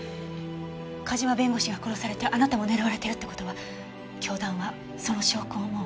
梶間弁護士が殺されてあなたも狙われてるってことは教団はその証拠をもう？